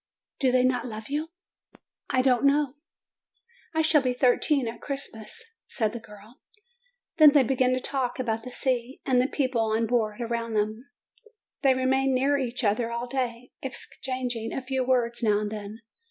"Do they not love you?" "I don't know." "I shall be thirteen at Christmas," said the girl. Then they began to talk about the sea, and the people on board around them. They remained near each other all day, exchanging a few words now and then.